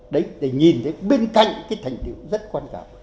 đấy để nhìn đến bên cạnh cái thành tựu rất quan trọng